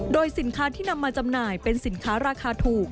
โดยสินค้าที่นำมาจำหน่ายเป็นสินค้าราคาถูก